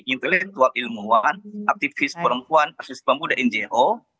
intelektual ilmuwan aktivis perempuan aktivis pemuda njo